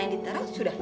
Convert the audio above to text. yang diterap sudah